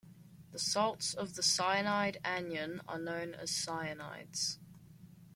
The salts of the cyanide anion are known as cyanides.